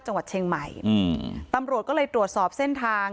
จังหวัดเชียงใหม่อืมตำรวจก็เลยตรวจสอบเส้นทาง